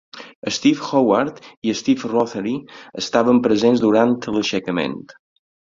Steve Hogarth i Steve Rothery estaven presents durant l'aixecament.